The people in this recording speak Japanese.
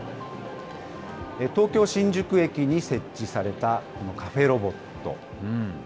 東京・新宿駅に設置されたカフェロボット。